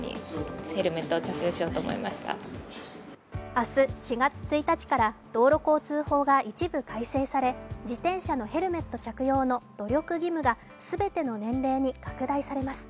明日４月１日から道路交通法が一部改正され自転車のヘルメット着用の努力義務が全ての年齢に拡大されます。